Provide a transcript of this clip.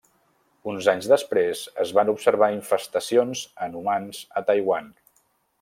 Uns anys després es van observar infestacions en humans a Taiwan.